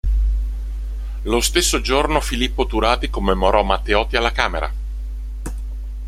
Lo stesso giorno Filippo Turati commemorò Matteotti alla Camera.